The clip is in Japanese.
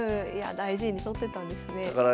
大事に取ってたんですね。